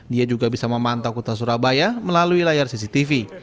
dia juga bisa memantau kota surabaya melalui layar cctv